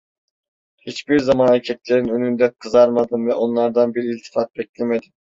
Hiçbir zaman erkeklerin önünde kızarmadım ve onlardan bir iltifat beklemedim.